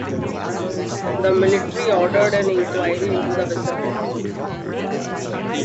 The Military ordered an inquiry into the vessel.